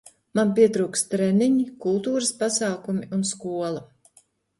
Man pietrūkst treniņi, kultūras pasākumi un skola.